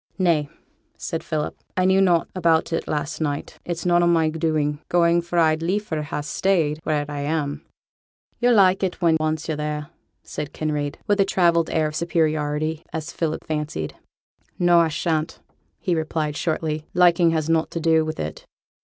'Nay,' said Philip, 'I knew nought about it last night; it's none o' my doing, going, for I'd liefer ha' stayed where I am.' 'Yo'll like it when once yo're there,' said Kinraid, with a travelled air of superiority, as Philip fancied. 'No, I shan't,' he replied, shortly. 'Liking has nought to do with it.'